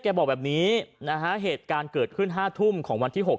บอกแบบนี้นะฮะเหตุการณ์เกิดขึ้น๕ทุ่มของวันที่๖